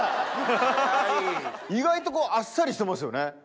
意外とあっさりしてますよね。